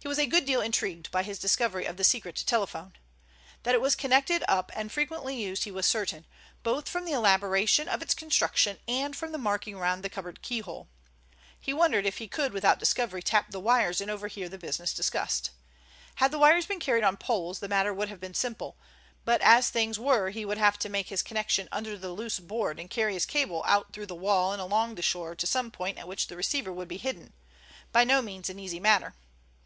He was a good deal intrigued by his discovery of the secret telephone. That it was connected up and frequently used he was certain, both from the elaboration of its construction and from the marking round the cupboard keyhole. He wondered if he could without discovery tap the wires and overhear the business discussed. Had the wires been carried on poles the matter would have been simple, but as things were he would have to make his connection under the loose board and carry his cable out through the wall and along the shore to some point at which the receiver would be hidden—by no means an easy matter.